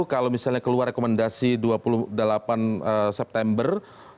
kalau misalnya keluar rekomendasi dua puluh delapan september